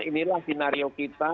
inilah sinario kita